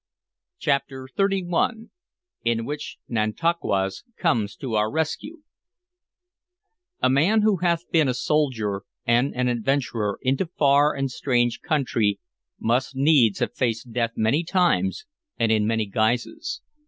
CHAPTER XXXI IN WHICH NANTAUQUAS COMES TO OUR RESCUE A MAN who hath been a soldier and an adventurer into far and strange countries must needs have faced Death many times and in many guises.